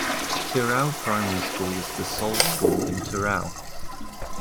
Tirau Primary School is the sole school in Tirau.